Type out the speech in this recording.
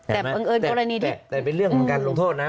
แต่เป็นเรื่องเหมือนกันลงโทษนะ